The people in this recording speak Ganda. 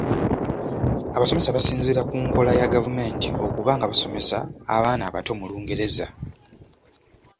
Abasomesa basinziira ku nkola ya gavumenti okuba nga basomesa abaana abato mu Lungereza.